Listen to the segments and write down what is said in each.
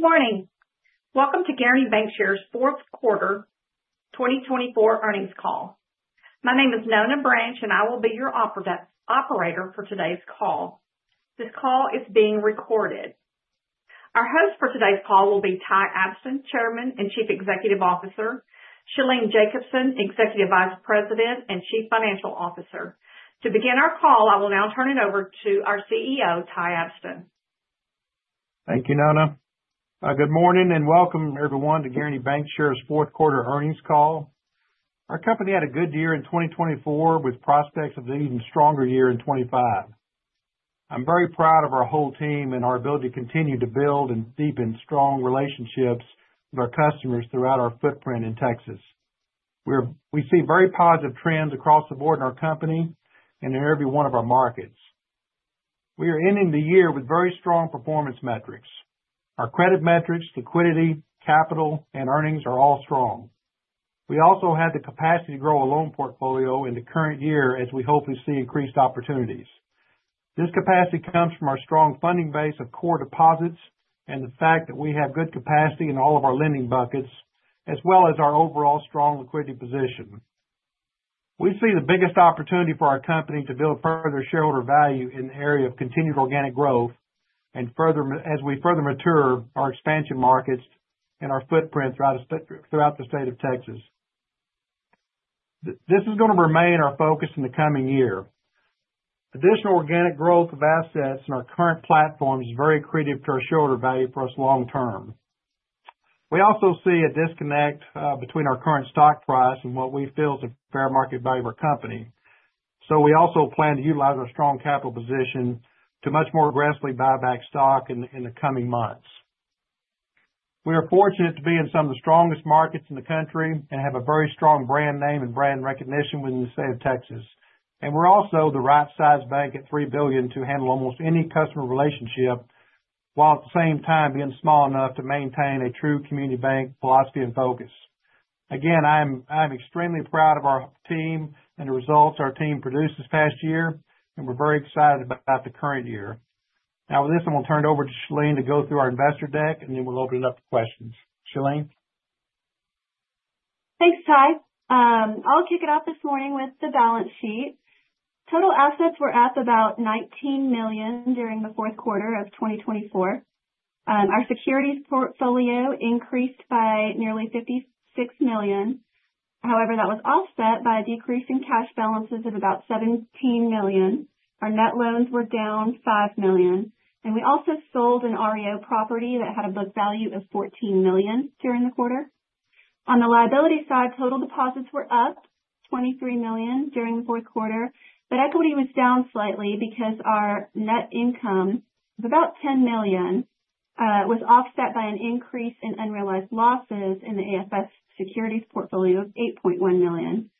Good morning. Welcome to Guaranty Bancshares' fourth quarter 2024 earnings call. My name is Nona Branch, and I will be your operator for today's call. This call is being recorded. Our host for today's call will be Ty Abston, Chairman and Chief Executive Officer, Shalene Jacobson, Executive Vice President and Chief Financial Officer. To begin our call, I will now turn it over to our CEO, Ty Abston. Thank you, Nona. Good morning and welcome, everyone, to Guaranty Bancshares' fourth quarter earnings call. Our company had a good year in 2024 with prospects of an even stronger year in 2025. I'm very proud of our whole team and our ability to continue to build and deepen strong relationships with our customers throughout our footprint in Texas. We see very positive trends across the board in our company and in every one of our markets. We are ending the year with very strong performance metrics. Our credit metrics, liquidity, capital, and earnings are all strong. We also had the capacity to grow a loan portfolio in the current year as we hopefully see increased opportunities. This capacity comes from our strong funding base of core deposits and the fact that we have good capacity in all of our lending buckets, as well as our overall strong liquidity position. We see the biggest opportunity for our company to build further shareholder value in the area of continued organic growth as we further mature our expansion markets and our footprint throughout the state of Texas. This is going to remain our focus in the coming year. Additional organic growth of assets in our current platform is very accretive to our shareholder value for us long term. We also see a disconnect between our current stock price and what we feel is a fair market value of our company. So we also plan to utilize our strong capital position to much more aggressively buy back stock in the coming months. We are fortunate to be in some of the strongest markets in the country and have a very strong brand name and brand recognition within the state of Texas. And we're also the right size bank at $3 billion to handle almost any customer relationship while at the same time being small enough to maintain a true community bank philosophy and focus. Again, I'm extremely proud of our team and the results our team produced this past year, and we're very excited about the current year. Now, with this, I'm going to turn it over to Shalene to go through our investor deck, and then we'll open it up to questions. Shalene? Thanks, Ty. I'll kick it off this morning with the balance sheet. Total assets were up about $19 million during the fourth quarter of 2024. Our securities portfolio increased by nearly $56 million. However, that was offset by a decrease in cash balances of about $17 million. Our net loans were down $5 million, and we also sold an REO property that had a book value of $14 million during the quarter. On the liability side, total deposits were up $23 million during the fourth quarter, but equity was down slightly because our net income of about $10 million was offset by an increase in unrealized losses in the AFS securities portfolio of $8.1 million,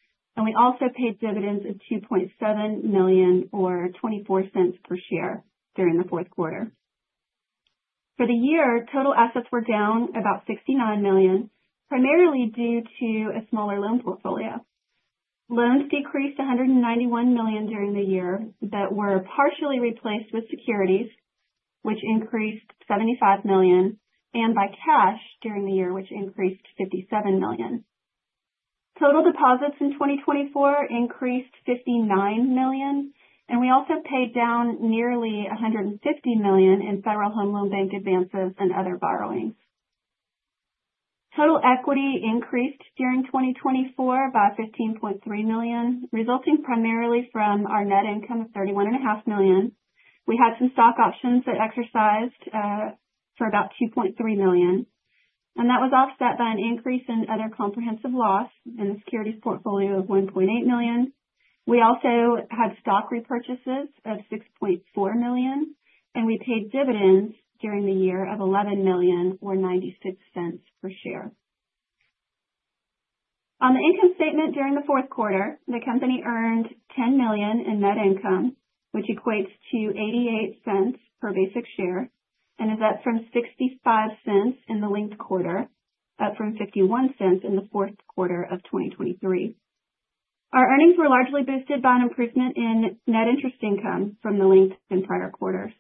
and we also paid dividends of $2.7 million, or $0.24 per share, during the fourth quarter. For the year, total assets were down about $69 million, primarily due to a smaller loan portfolio. Loans decreased $191 million during the year that were partially replaced with securities, which increased $75 million, and by cash during the year, which increased $57 million. Total deposits in 2024 increased $59 million, and we also paid down nearly $150 million in Federal Home Loan Bank advances and other borrowings. Total equity increased during 2024 by $15.3 million, resulting primarily from our net income of $31.5 million. We had some stock options that exercised for about $2.3 million, and that was offset by an increase in other comprehensive loss in the securities portfolio of $1.8 million. We also had stock repurchases of $6.4 million, and we paid dividends during the year of $11 million, or $0.96 per share. On the income statement during the fourth quarter, the company earned $10 million in net income, which equates to $0.88 per basic share, and is up from $0.65 in the linked quarter, up from $0.51 in the fourth quarter of 2023. Our earnings were largely boosted by an improvement in net interest income from the linked and prior quarters.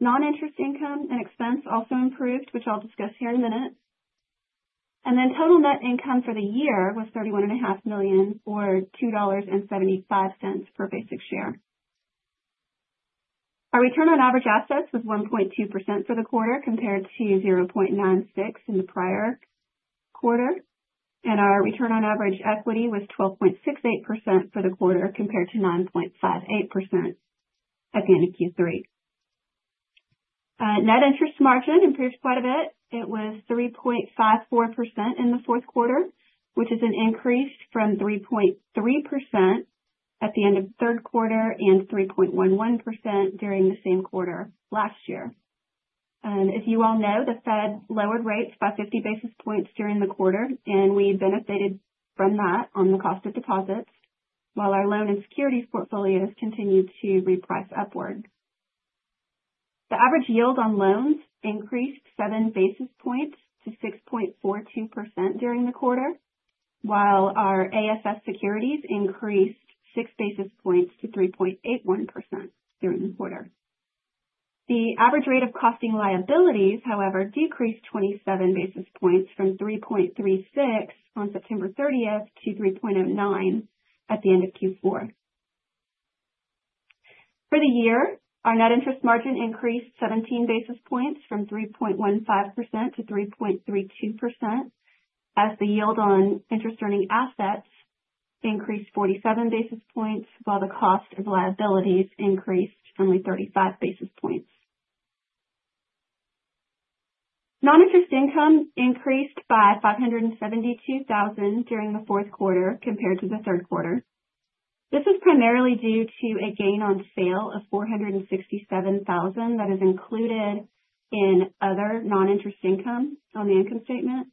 Non-interest income and expense also improved, which I'll discuss here in a minute, and then total net income for the year was $31.5 million, or $2.75 per basic share. Our return on average assets was 1.2% for the quarter compared to 0.96% in the prior quarter, and our return on average equity was 12.68% for the quarter compared to 9.58% at the end of Q3. Net interest margin improved quite a bit. It was 3.54% in the fourth quarter, which is an increase from 3.3% at the end of the third quarter and 3.11% during the same quarter last year. As you all know, the Fed lowered rates by 50 basis points during the quarter, and we benefited from that on the cost of deposits while our loan and securities portfolios continued to reprice upward. The average yield on loans increased 7 basis points to 6.42% during the quarter, while our AFS securities increased 6 basis points to 3.81% during the quarter. The average cost of liabilities, however, decreased 27 basis points from 3.36% on September 30th to 3.09% at the end of Q4. For the year, our net interest margin increased 17 basis points from 3.15% to 3.32%, as the yield on interest-earning assets increased 47 basis points, while the cost of liabilities increased only 35 basis points. Non-interest income increased by $572,000 during the fourth quarter compared to the third quarter. This is primarily due to a gain on sale of $467,000 that is included in other non-interest income on the income statement.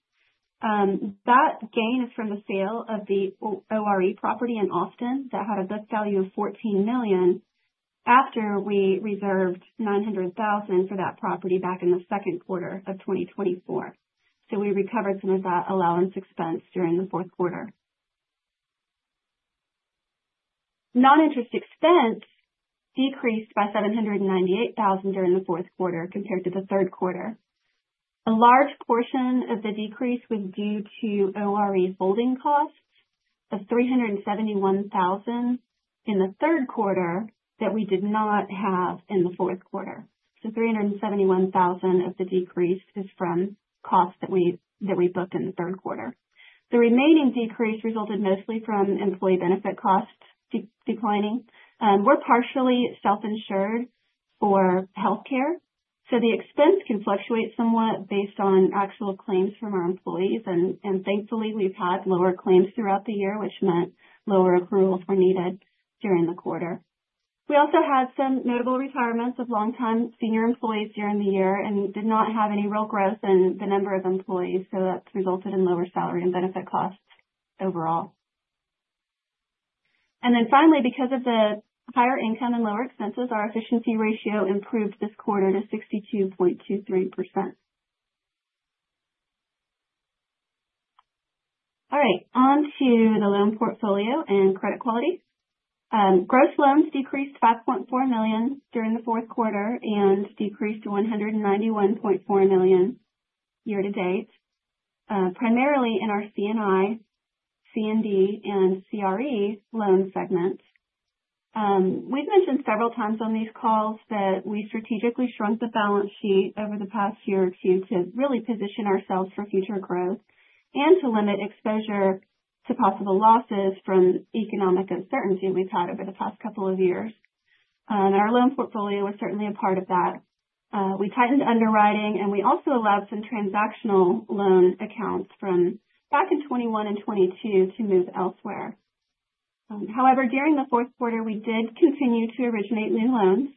That gain is from the sale of the ORE property in Austin that had a book value of $14 million after we reserved $900,000 for that property back in the second quarter of 2024, so we recovered some of that allowance expense during the fourth quarter. Non-interest expense decreased by $798,000 during the fourth quarter compared to the third quarter. A large portion of the decrease was due to ORE holding costs of $371,000 in the third quarter that we did not have in the fourth quarter, so $371,000 of the decrease is from costs that we booked in the third quarter. The remaining decrease resulted mostly from employee benefit costs declining. We're partially self-insured for healthcare, so the expense can fluctuate somewhat based on actual claims from our employees, and thankfully, we've had lower claims throughout the year, which meant lower accruals were needed during the quarter. We also had some notable retirements of long-time senior employees during the year and did not have any real growth in the number of employees, so that resulted in lower salary and benefit costs overall, and then finally, because of the higher income and lower expenses, our efficiency ratio improved this quarter to 62.23%. All right, on to the loan portfolio and credit quality. Gross loans decreased $5.4 million during the fourth quarter and decreased to $191.4 million year to date, primarily in our C&I, C&D, and CRE loan segments. We've mentioned several times on these calls that we strategically shrunk the balance sheet over the past year or two to really position ourselves for future growth and to limit exposure to possible losses from economic uncertainty we've had over the past couple of years. Our loan portfolio was certainly a part of that. We tightened underwriting, and we also allowed some transactional loan accounts from back in 2021 and 2022 to move elsewhere. However, during the fourth quarter, we did continue to originate new loans.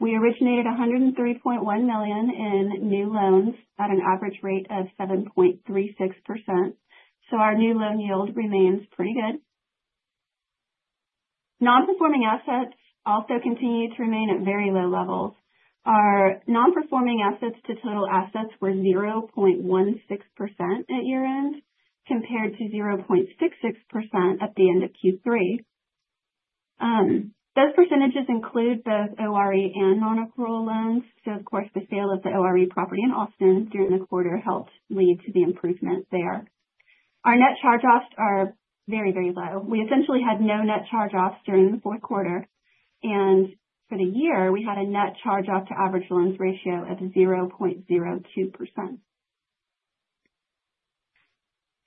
We originated $103.1 million in new loans at an average rate of 7.36%. So our new loan yield remains pretty good. Non-performing assets also continue to remain at very low levels. Our non-performing assets to total assets were 0.16% at year-end compared to 0.66% at the end of Q3. Those percentages include both ORE and non-accrual loans. Of course, the sale of the ORE property in Austin during the quarter helped lead to the improvement there. Our net charge-offs are very, very low. We essentially had no net charge-offs during the fourth quarter. For the year, we had a net charge-off to average loans ratio of 0.02%.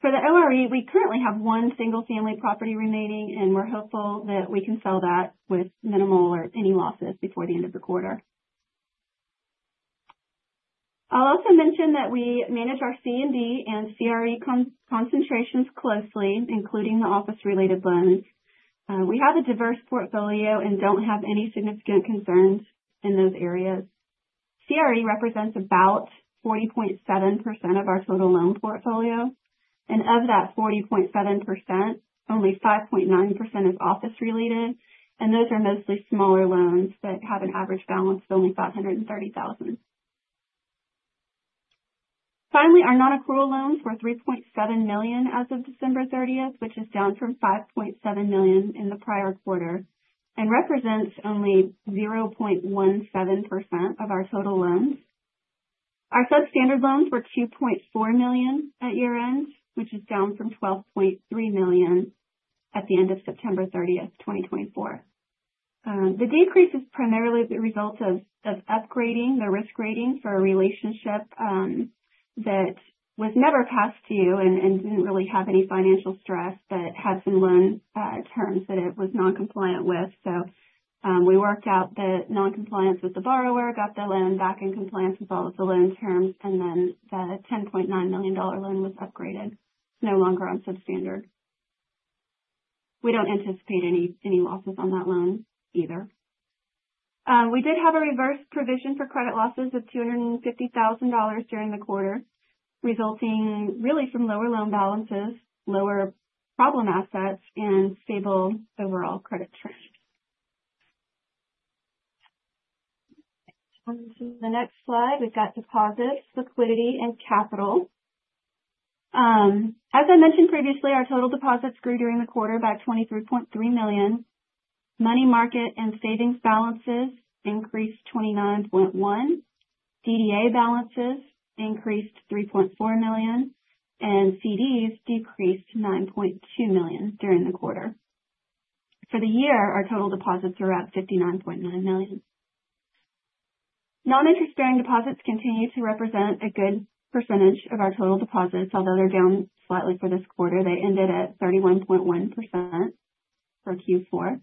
For the ORE, we currently have one single-family property remaining, and we're hopeful that we can sell that with minimal or any losses before the end of the quarter. I'll also mention that we manage our C&D and CRE concentrations closely, including the office-related loans. We have a diverse portfolio and don't have any significant concerns in those areas. CRE represents about 40.7% of our total loan portfolio. Of that 40.7%, only 5.9% is office-related, and those are mostly smaller loans that have an average balance of only $530,000. Finally, our non-accrual loans were $3.7 million as of December 30th, which is down from $5.7 million in the prior quarter and represents only 0.17% of our total loans. Our substandard loans were $2.4 million at year-end, which is down from $12.3 million at the end of September 30th, 2024. The decrease is primarily the result of upgrading the risk rating for a relationship that was never past due and didn't really have any financial stress, but had some loan terms that it was non-compliant with. So we worked out the non-compliance with the borrower, got the loan back in compliance with all of the loan terms, and then the $10.9 million loan was upgraded. It's no longer on substandard. We don't anticipate any losses on that loan either. We did have a reverse provision for credit losses of $250,000 during the quarter, resulting really from lower loan balances, lower problem assets, and stable overall credit trend. On to the next slide, we've got deposits, liquidity, and capital. As I mentioned previously, our total deposits grew during the quarter by $23.3 million. Money market and savings balances increased $29.1 million. DDA balances increased $3.4 million, and CDs decreased $9.2 million during the quarter. For the year, our total deposits were at $59.9 million. Non-interest-bearing deposits continue to represent a good percentage of our total deposits, although they're down slightly for this quarter. They ended at 31.1% for Q4.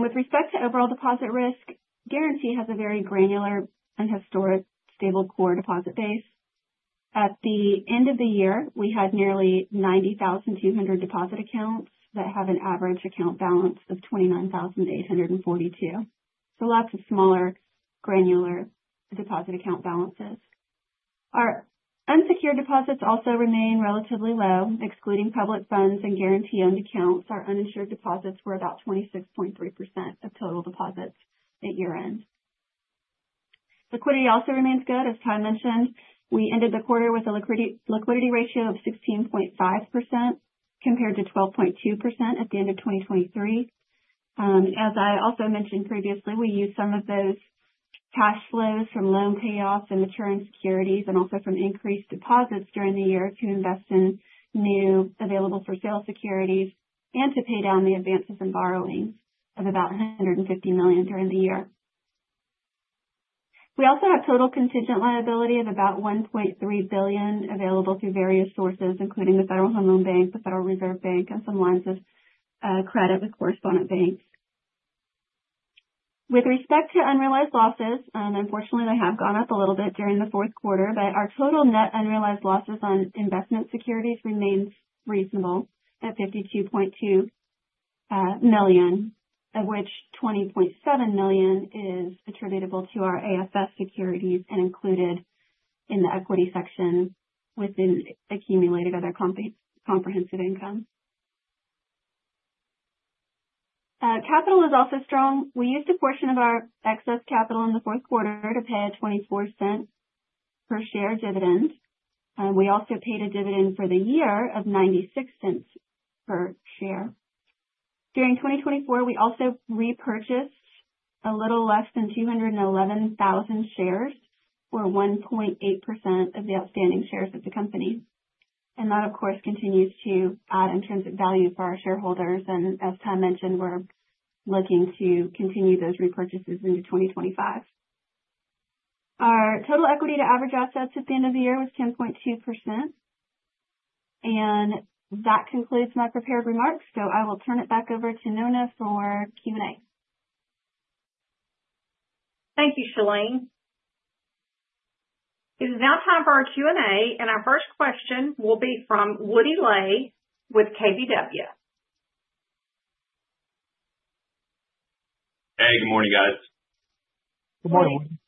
With respect to overall deposit risk, Guaranty has a very granular and historic stable core deposit base. At the end of the year, we had nearly 90,200 deposit accounts that have an average account balance of $29,842. So lots of smaller granular deposit account balances. Our unsecured deposits also remain relatively low. Excluding public funds and Guaranty-owned accounts, our uninsured deposits were about 26.3% of total deposits at year-end. Liquidity also remains good, as Ty mentioned. We ended the quarter with a liquidity ratio of 16.5% compared to 12.2% at the end of 2023. As I also mentioned previously, we used some of those cash flows from loan payoffs and maturities and securities, and also from increased deposits during the year to invest in new available-for-sale securities and to pay down the advances and borrowings of about $150 million during the year. We also have total contingent liquidity of about $1.3 billion available through various sources, including the Federal Home Loan Bank, the Federal Reserve Bank, and some lines of credit with correspondent banks. With respect to unrealized losses, unfortunately, they have gone up a little bit during the fourth quarter, but our total net unrealized losses on investment securities remains reasonable at $52.2 million, of which $20.7 million is attributable to our AFS securities and included in the equity section within accumulated other comprehensive income. Capital is also strong. We used a portion of our excess capital in the fourth quarter to pay a $0.24 per share dividend. We also paid a dividend for the year of $0.96 per share. During 2024, we also repurchased a little less than 211,000 shares or 1.8% of the outstanding shares of the company. And that, of course, continues to add intrinsic value for our shareholders. And as Ty mentioned, we're looking to continue those repurchases into 2025. Our total equity to average assets at the end of the year was 10.2%. That concludes my prepared remarks. So I will turn it back over to Nona for Q&A. Thank you, Shalene. It is now time for our Q&A, and our first question will be from Woody Lay with KBW. Hey, good morning, guys. Good morning.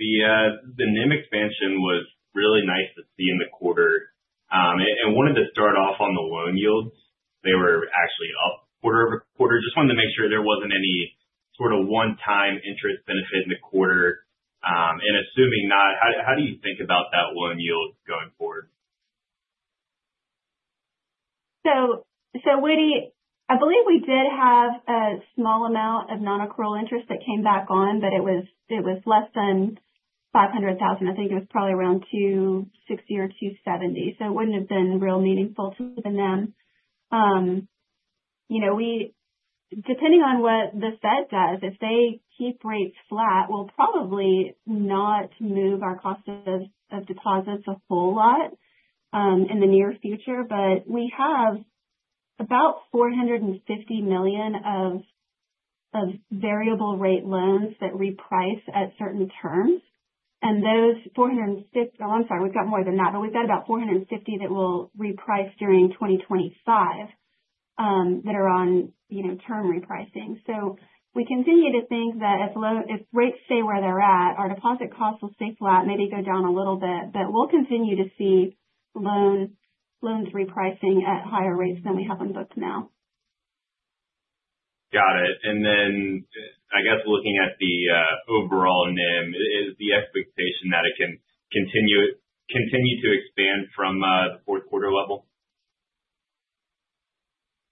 The NIM expansion was really nice to see in the quarter. And wanted to start off on the loan yields. They were actually up quarter over quarter. Just wanted to make sure there wasn't any sort of one-time interest benefit in the quarter. And assuming not, how do you think about that loan yield going forward? So, Woody, I believe we did have a small amount of non-accrual interest that came back on, but it was less than $500,000. I think it was probably around $260,000 or $270,000. So it wouldn't have been real meaningful to the NIM. Depending on what the Fed does, if they keep rates flat, we'll probably not move our cost of deposits a whole lot in the near future. But we have about $450 million of variable-rate loans that reprice at certain terms. And those $450 million, oh, I'm sorry, we've got more than that, but we've got about $450 million that will reprice during 2025 that are on term repricing. So we continue to think that if rates stay where they're at, our deposit costs will stay flat, maybe go down a little bit, but we'll continue to see loans repricing at higher rates than we have on books now. Got it. And then I guess looking at the overall NIM, is the expectation that it can continue to expand from the fourth quarter level?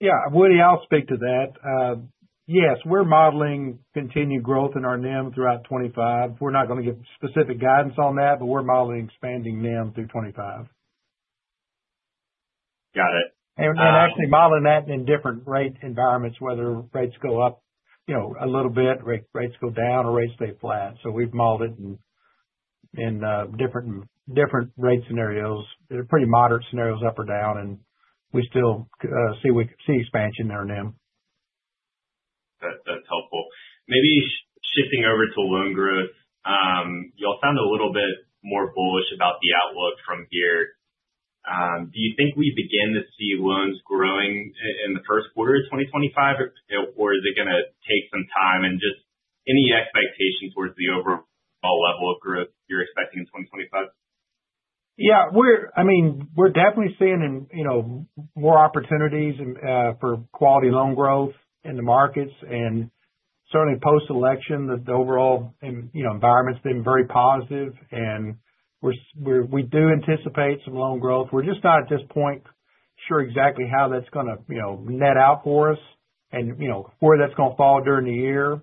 Yeah, Woody, I'll speak to that. Yes, we're modeling continued growth in our NIM throughout 2025. We're not going to give specific guidance on that, but we're modeling expanding NIM through 2025. Got it. And actually modeling that in different rate environments, whether rates go up a little bit, rates go down, or rates stay flat. So we've modeled it in different rate scenarios. They're pretty moderate scenarios, up or down, and we still see expansion in our NIM. That's helpful. Maybe shifting over to loan growth, y'all sound a little bit more bullish about the outlook from here. Do you think we begin to see loans growing in the first quarter of 2025, or is it going to take some time? And just any expectation towards the overall level of growth you're expecting in 2025? Yeah, I mean, we're definitely seeing more opportunities for quality loan growth in the markets. And certainly post-election, the overall environment's been very positive. And we do anticipate some loan growth. We're just not at this point sure exactly how that's going to net out for us and where that's going to fall during the year.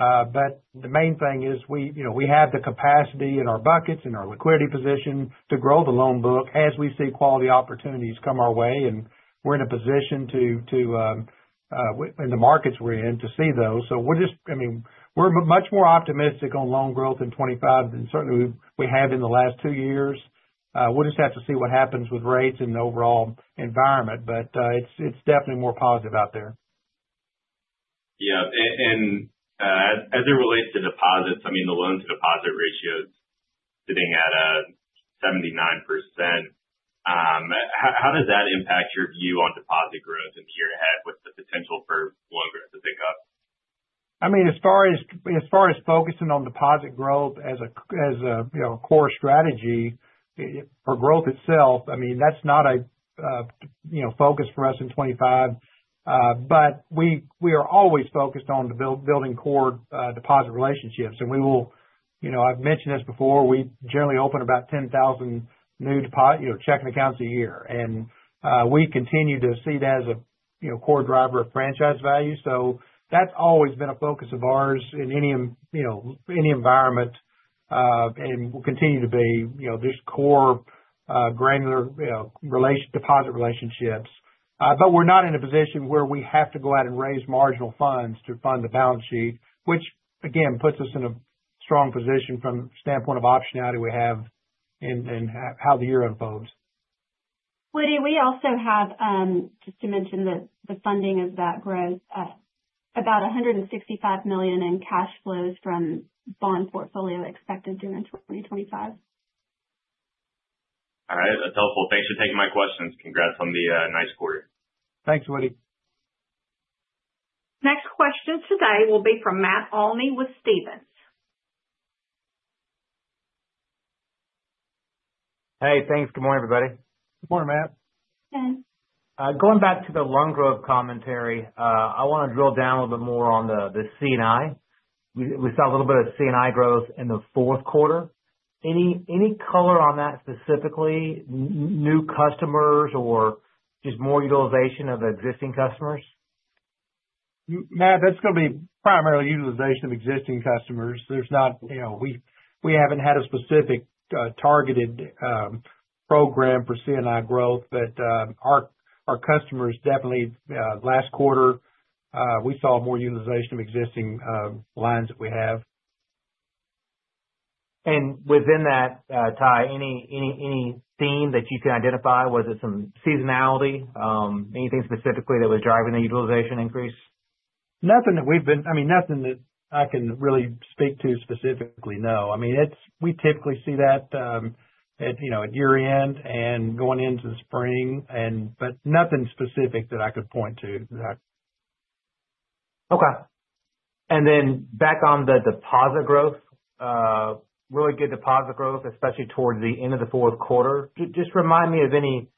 But the main thing is we have the capacity in our buckets and our liquidity position to grow the loan book as we see quality opportunities come our way. And we're in a position to, in the markets we're in, to see those. So we're just, I mean, we're much more optimistic on loan growth in 2025 than certainly we have in the last two years. We'll just have to see what happens with rates and the overall environment. But it's definitely more positive out there. Yeah. And as it relates to deposits, I mean, the loan-to-deposit ratio is sitting at 79%. How does that impact your view on deposit growth in the year ahead with the potential for loan growth to pick up? I mean, as far as focusing on deposit growth as a core strategy for growth itself, I mean, that's not a focus for us in 2025, but we are always focused on building core deposit relationships, and we will. I've mentioned this before. We generally open about 10,000 new checking accounts a year, and we continue to see that as a core driver of franchise value, so that's always been a focus of ours in any environment and will continue to be just core granular deposit relationships, but we're not in a position where we have to go out and raise marginal funds to fund the balance sheet, which, again, puts us in a strong position from the standpoint of optionality we have and how the year unfolds. Woody, we also have, just to mention that the funding is about growth, about $165 million in cash flows from bond portfolio expected during 2025. All right. That's helpful. Thanks for taking my questions. Congrats on the nice quarter. Thanks, Woody. Next question today will be from Matt Olney with Stephens. Hey, thanks. Good morning, everybody. Good morning, Matt. Going back to the loan growth commentary, I want to drill down a little bit more on the C&I. We saw a little bit of C&I growth in the fourth quarter. Any color on that specifically? New customers or just more utilization of existing customers? Matt, that's going to be primarily utilization of existing customers. We haven't had a specific targeted program for C&I growth, but our customers definitely last quarter, we saw more utilization of existing lines that we have. And within that, Ty, any theme that you can identify? Was it some seasonality? Anything specifically that was driving the utilization increase? Nothing that we've been, I mean, nothing that I can really speak to specifically, no. I mean, we typically see that at year-end and going into the spring, but nothing specific that I could point to. Okay. And then back on the deposit growth, really good deposit growth, especially towards the end of the fourth quarter. Just remind me of any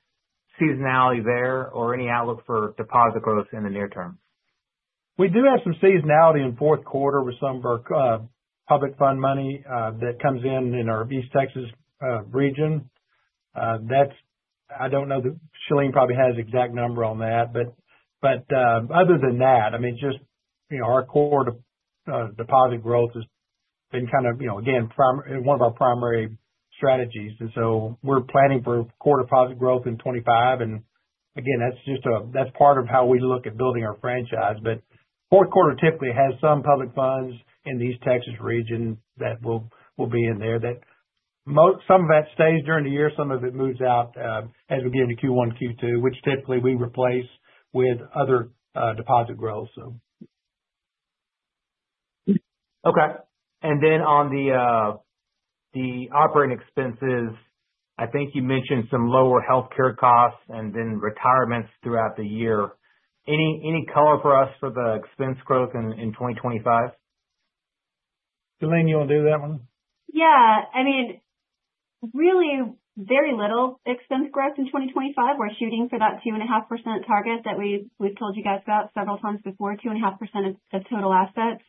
seasonality there or any outlook for deposit growth in the near term. We do have some seasonality in fourth quarter with some of our public fund money that comes in in our East Texas region. I don't know that Shalene probably has the exact number on that. But other than that, I mean, just our core deposit growth has been kind of, again, one of our primary strategies. And so we're planning for core deposit growth in 2025. And again, that's just a, that's part of how we look at building our franchise. But fourth quarter typically has some public funds in the East Texas region that will be in there. Some of that stays during the year. Some of it moves out as we get into Q1, Q2, which typically we replace with other deposit growth, so. Okay. And then on the operating expenses, I think you mentioned some lower healthcare costs and then retirements throughout the year. Any color for us for the expense growth in 2025? Shalene, you want to do that one? Yeah. I mean, really very little expense growth in 2025. We're shooting for that 2.5% target that we've told you guys about several times before, 2.5% of total assets.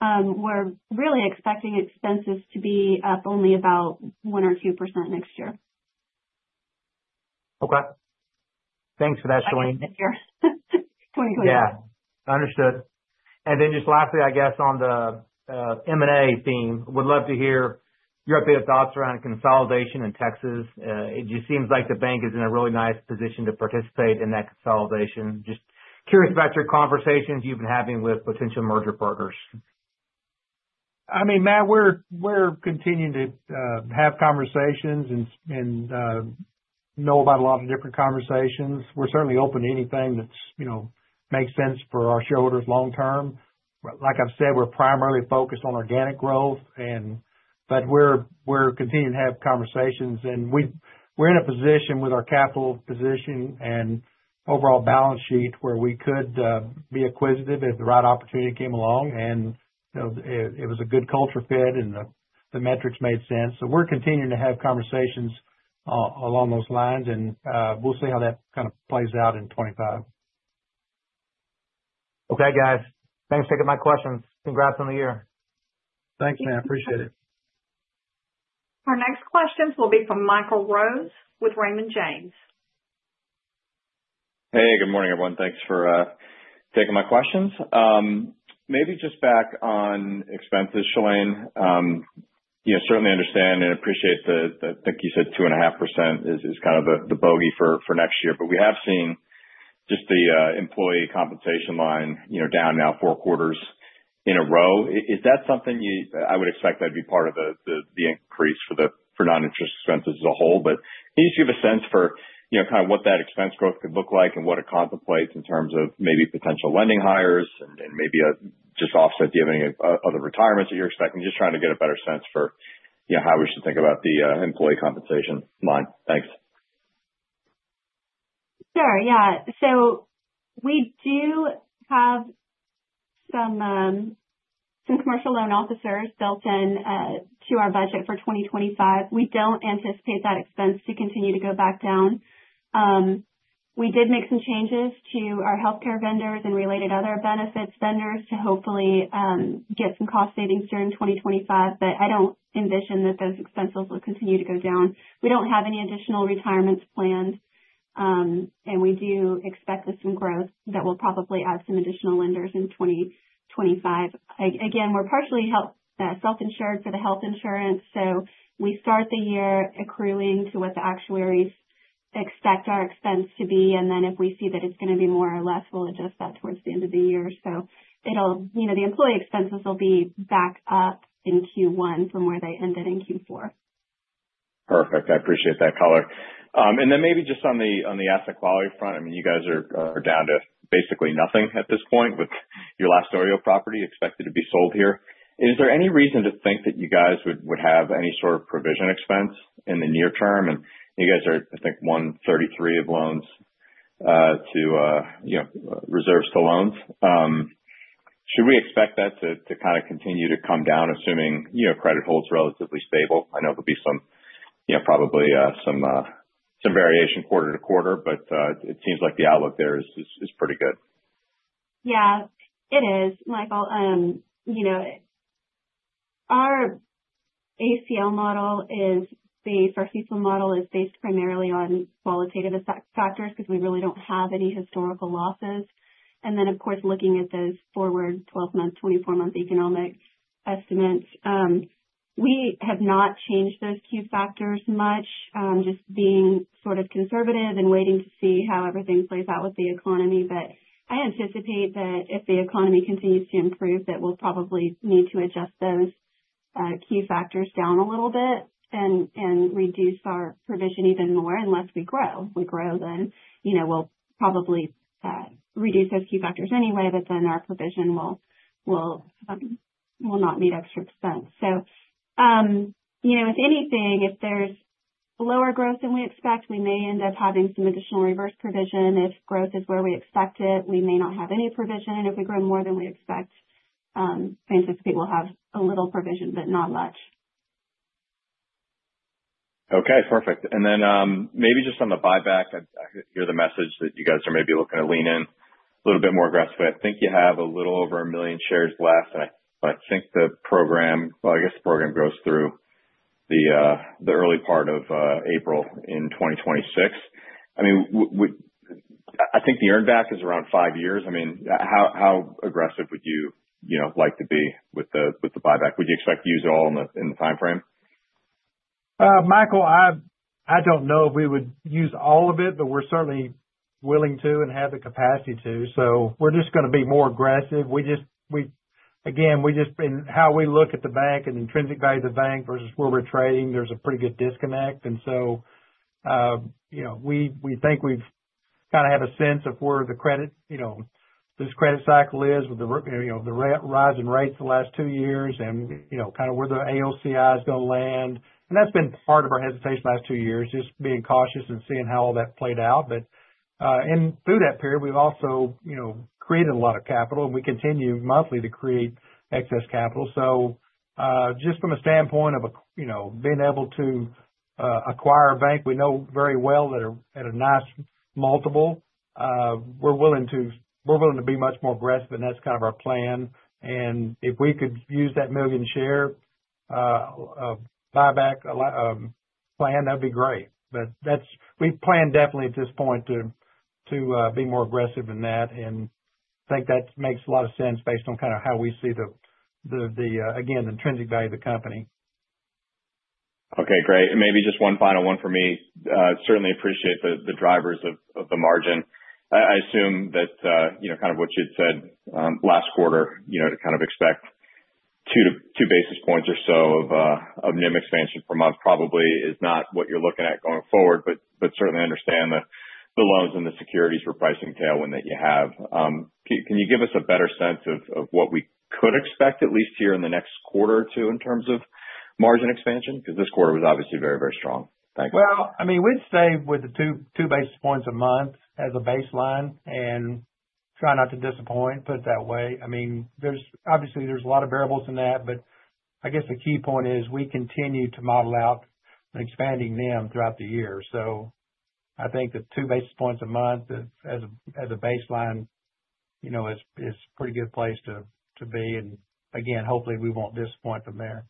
We're really expecting expenses to be up only about 1%-2% next year. Okay. Thanks for that, Shalene. 2025. Yeah. Understood. And then just lastly, I guess, on the M&A theme, would love to hear your updated thoughts around consolidation in Texas. It just seems like the bank is in a really nice position to participate in that consolidation. Just curious about your conversations you've been having with potential merger partners. I mean, Matt, we're continuing to have conversations and hear about a lot of different conversations. We're certainly open to anything that makes sense for our shareholders long-term. Like I've said, we're primarily focused on organic growth, but we're continuing to have conversations. And we're in a position with our capital position and overall balance sheet where we could be acquisitive if the right opportunity came along. And it was a good culture fit, and the metrics made sense. So we're continuing to have conversations along those lines, and we'll see how that kind of plays out in 2025. Okay, guys. Thanks for taking my questions. Congrats on the year. Thanks, man. Appreciate it. Our next questions will be from Michael Rose with Raymond James. Hey, good morning, everyone. Thanks for taking my questions. Maybe just back on expenses, Shalene, certainly understand and appreciate the, I think you said 2.5% is kind of the bogey for next year. But we have seen just the employee compensation line down now four quarters in a row. Is that something you, I would expect that'd be part of the increase for non-interest expenses as a whole. But I need you to give a sense for kind of what that expense growth could look like and what it contemplates in terms of maybe potential lending hires and maybe just offset. Do you have any other retirements that you're expecting? Just trying to get a better sense for how we should think about the employee compensation line. Thanks. Sure. Yeah. So we do have some commercial loan officers built into our budget for 2025. We don't anticipate that expense to continue to go back down. We did make some changes to our healthcare vendors and related other benefits vendors to hopefully get some cost savings during 2025, but I don't envision that those expenses will continue to go down. We don't have any additional retirements planned, and we do expect some growth that will probably add some additional lenders in 2025. Again, we're partially self-insured for the health insurance. So we start the year accruing to what the actuaries expect our expense to be. And then if we see that it's going to be more or less, we'll adjust that towards the end of the year. So the employee expenses will be back up in Q1 from where they ended in Q4. Perfect. I appreciate that color. And then maybe just on the asset quality front, I mean, you guys are down to basically nothing at this point with your last OREO property expected to be sold here. Is there any reason to think that you guys would have any sort of provision expense in the near term? And you guys are, I think, 1.33% reserves to loans. Should we expect that to kind of continue to come down, assuming credit holds are relatively stable? I know there'll be probably some variation quarter to quarter, but it seems like the outlook there is pretty good. Yeah, it is. Michael, our ACL model is based. Our ACL model is based primarily on qualitative factors because we really don't have any historical losses. And then, of course, looking at those forward 12-month, 24-month economic estimates, we have not changed those key factors much, just being sort of conservative and waiting to see how everything plays out with the economy, but I anticipate that if the economy continues to improve, that we'll probably need to adjust those key factors down a little bit and reduce our provision even more unless we grow. If we grow, then we'll probably reduce those key factors anyway, but then our provision will not need extra expense. So if anything, if there's lower growth than we expect, we may end up having some additional reverse provision. If growth is where we expect it, we may not have any provision. And if we grow more than we expect, I anticipate we'll have a little provision, but not much. Okay. Perfect. And then maybe just on the buyback, I hear the message that you guys are maybe looking to lean in a little bit more aggressively. I think you have a little over a million shares left, and I think the program, well, I guess the program goes through the early part of April in 2026. I mean, I think the earnback is around five years. I mean, how aggressive would you like to be with the buyback? Would you expect to use it all in the timeframe? Michael, I don't know if we would use all of it, but we're certainly willing to and have the capacity to. So we're just going to be more aggressive. Again, we just, and how we look at the bank and intrinsic value of the bank versus where we're trading, there's a pretty good disconnect. And so we think we've kind of had a sense of where the credit, this credit cycle is with the rise in rates the last two years and kind of where the AOCI is going to land. And that's been part of our hesitation the last two years, just being cautious and seeing how all that played out. But through that period, we've also created a lot of capital, and we continue monthly to create excess capital. So just from a standpoint of being able to acquire a bank we know very well that are at a nice multiple, we're willing to be much more aggressive, and that's kind of our plan. And if we could use that million-share buyback plan, that'd be great. But we plan definitely at this point to be more aggressive in that. And I think that makes a lot of sense based on kind of how we see the, again, intrinsic value of the company. Okay. Great. And maybe just one final one for me. Certainly appreciate the drivers of the margin. I assume that kind of what you'd said last quarter, to kind of expect two basis points or so of NIM expansion per month probably is not what you're looking at going forward, but certainly understand the loans and the securities for pricing tailwind that you have. Can you give us a better sense of what we could expect, at least here in the next quarter or two in terms of margin expansion? Because this quarter was obviously very, very strong. Thanks. Well, I mean, we'd stay with the two basis points a month as a baseline and try not to disappoint, put it that way. I mean, obviously, there's a lot of variables in that, but I guess the key point is we continue to model out expanding NIM throughout the year, so I think the two basis points a month as a baseline is a pretty good place to be, and again, hopefully, we won't disappoint from there.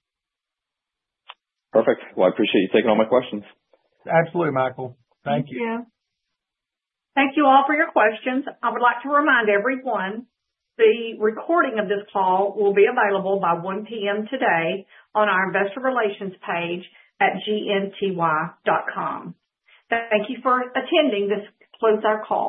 Perfect. Well, I appreciate you taking all my questions. Absolutely, Michael. Thank you. Thank you. Thank you all for your questions. I would like to remind everyone that the recording of this call will be available by 1:00 P.M. today on our investor relations page at gnty.com. Thank you for attending this call.